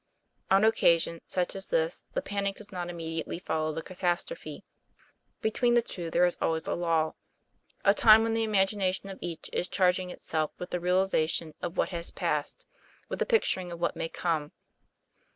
On occasions such as this the panic does not im mediately follow the catastrophe. Between the two there is always a lull a time when the imagi nation of each is charging itself with the real ization of what has passed, with the picturing of what may come.